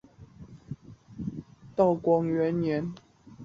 会稽人王仲舒撰于道光元年。